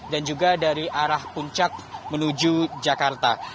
dan juga dari arah puncak menuju jakarta